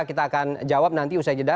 kita akan jawab nanti usai jeda